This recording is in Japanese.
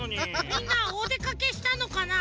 みんなおでかけしたのかな？